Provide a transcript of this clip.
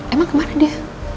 emang kemana dia